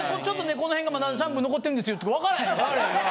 この辺がまだシャンプー残ってるんですよ」って分からへんし。